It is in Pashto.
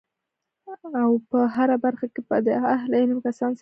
او په هره برخه کی به د اهل علم کسانو سره مشوره کیږی